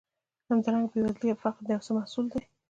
همدارنګه بېوزلي یا فقر د یو څه محصول دی.